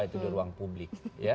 itu di ruang publik